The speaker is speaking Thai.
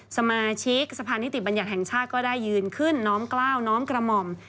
สมาชิกสะพานนิติบัญญัติแห่งชาติก็ได้ยืนขึ้นน้อมกล้าวน้อมกระหม่อม